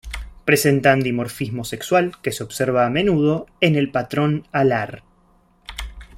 Presentan dimorfismo sexual, que se observa a menudo en el patrón alar.